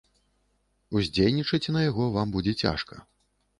Уздзейнічаць на яго вам будзе цяжка.